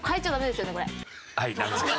はいダメです。